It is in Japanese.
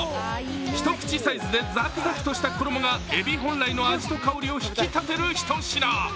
一口サイズでザクザクとした衣がえび本来の味と香りを引き立てるひと品。